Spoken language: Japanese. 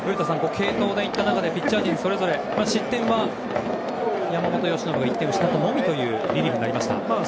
継投でいった中でピッチャー陣それぞれ失点は山本由伸が１点を失ったのみというリリーフとなりました。